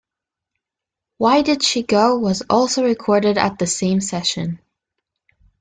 "Why Did She Go" was also recorded at the same session.